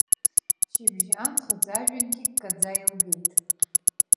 Шьыбжь анхыҵ, ажәҩангьы ккаӡа еилгеит.